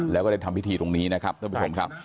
แล้วก็ได้ทำพิธีตรงนี้นะครับครับค่ะ